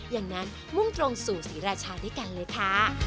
อย่างนั้นมุ่งตรงสู่สีราชาด้วยกันเลยค่ะ